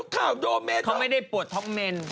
เขาไม่ได้ปวดฮ่อมัน